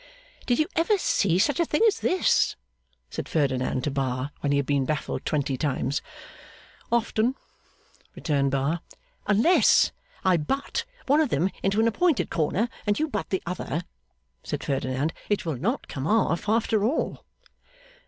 'Did you ever see such a thing as this?' said Ferdinand to Bar when he had been baffled twenty times. 'Often,' returned Bar. 'Unless I butt one of them into an appointed corner, and you butt the other,' said Ferdinand, 'it will not come off after all.